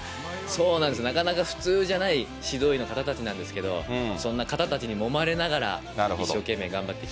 そうなんです、なかなか普通じゃない指導医の方たちなんですけど、そんな方たちにもまれながら、一生懸命頑張って。